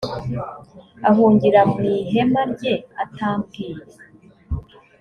ahungira mu ihema rye atambwiye